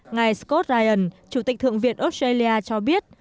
ngài scott ryan chủ tịch thượng viện australia cho biết